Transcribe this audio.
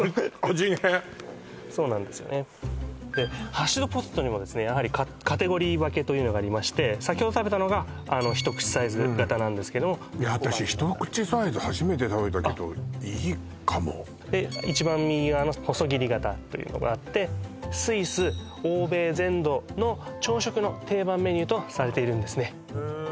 ハッシュドポテトにもカテゴリー分けというのがありまして先ほど食べたのが一口サイズ型なんですけども私で一番右側の細切り型というのがあってスイス欧米全土の朝食の定番メニューとされているんですねへえ